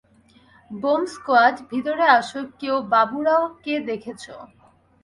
Bomb squad, ভিতরে আসো কেউ বাবু রাও কে দেখেছো?